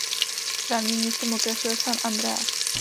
Správním městem okresu je San Andreas.